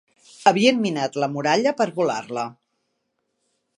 Havien minat la muralla per volar-la.